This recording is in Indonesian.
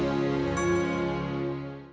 beneran mamah kak